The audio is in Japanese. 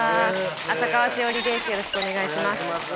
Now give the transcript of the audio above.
よろしくお願いします。